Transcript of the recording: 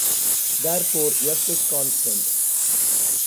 Therefore, "f" is constant.